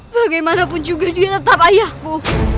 bagaimanapun juga dia tetap ayahku